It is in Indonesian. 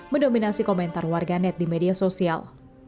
mendominasi komentar warganet di media sosial